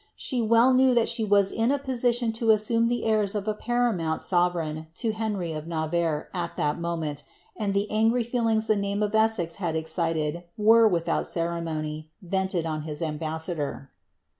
She well knew thai she wis ia a position lo assume the airs of a paramount sovereign to Henrv of R» varre at that moment, and the angry feelings the name of Essex had excited were, without ceremony, venied on his ambassador.